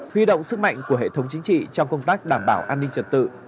huy động sức mạnh của hệ thống chính trị trong công tác đảm bảo an ninh trật tự